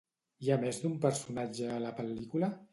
Hi ha més d'un personatge a la pel·lícula?